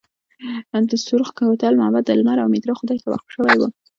د سورخ کوتل معبد د لمر او میترا خدای ته وقف شوی و